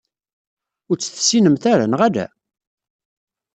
Ur tt-tessinemt ara, neɣ ala?